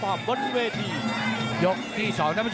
วันนี้เดี่ยงไปคู่แล้วนะพี่ป่านะ